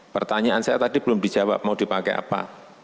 pertanyaan saya tadi belum dijawab mau dipakai apa